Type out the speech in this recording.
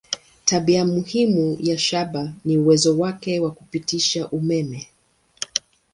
Tabia muhimu ya shaba ni uwezo wake wa kupitisha umeme.